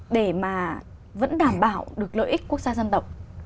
để mà vẫn đảm bảo được lợi ích quốc gia dân tộc